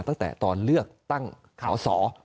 ตั้งแต่ตอนเลือกตั้งสอสอ